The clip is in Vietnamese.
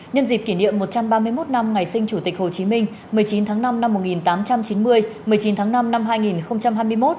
nhân dịp kỷ niệm một trăm ba mươi một năm ngày sinh chủ tịch hồ chí minh một mươi chín tháng năm năm một nghìn tám trăm chín mươi một mươi chín tháng năm năm hai nghìn hai mươi một